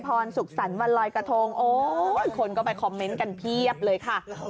โอ้ยคนก็ไปคอมเมนต์กันเพียบเลยค่ะ